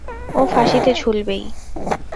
ও ফাঁসিতে ঝুলবেই!